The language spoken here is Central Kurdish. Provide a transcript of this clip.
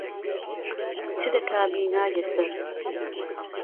چ دهکا بینایه سەر